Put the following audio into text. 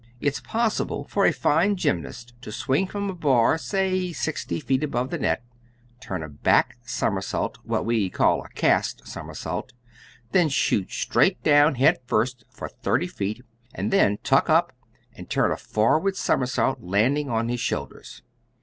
It's possible for a fine gymnast to swing from a bar, say sixty feet above the net, turn a back somersault what we call a cast somersault then shoot straight down head first for thirty feet and then tuck up and turn a forward somersault, landing on his shoulders.